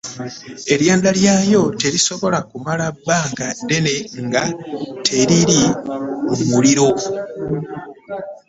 Eryanda lyayo terisobola kumala bbanga ddene nga teriri mu muliro .